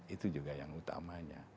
itu juga yang utamanya